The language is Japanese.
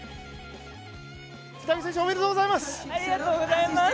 北口選手おめでとうございます！